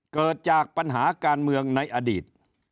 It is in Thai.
เกิดจากปัญหาการเมืองในอดีต